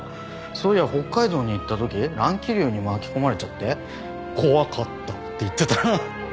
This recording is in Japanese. そういや北海道に行ったとき乱気流に巻き込まれちゃって怖かったって言ってたな。